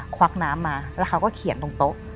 ควักน้ำมาแล้วเขาก็เขียนตรงโต๊ะ